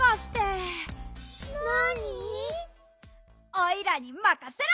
おいらにまかせろ！